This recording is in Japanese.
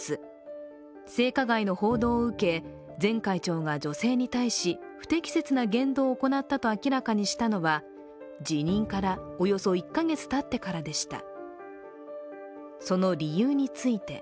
性加害の報道を受け前会長が女性に対し不適切な言動を行ったと明らかにしたのは辞任からおよそ１か月たってからでした。